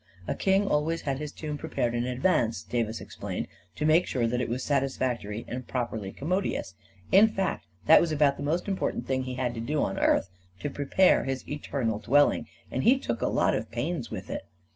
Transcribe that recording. "A king always had his tomb prepared in ad vance, 9 ' Davis explained, " to make sure that it was satisfactory and properly commodious. In fact, that was about the most important thing he had to do on earth — to prepare his eternal dwelling — and he took a lot of pains with it.